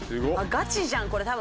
ガチじゃんこれ。